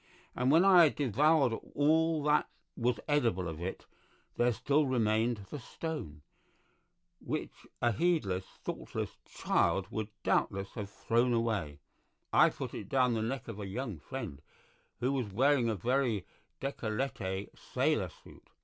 And when I had devoured all that was edible of it, there still remained the stone, which a heedless, thoughtless child would doubtless have thrown away; I put it down the neck of a young friend who was wearing a very DÉCOLLETÉ sailor suit.